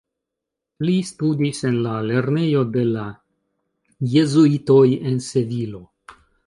Li studis en la lernejo de la Jezuitoj en Sevilo.